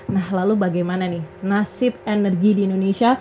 nah lalu bagaimana nih nasib energi di indonesia